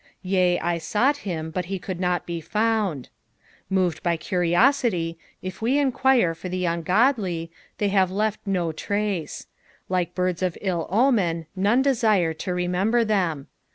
"Tea, I might him, but he eavld not be found." Hot ed b; curtositf, if we enquire for the ungodl;, the; have left no trace ; like birds of ill omen none desire to remember them.